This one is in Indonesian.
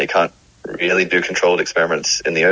kita tidak bisa mengontrol eksperimen di laut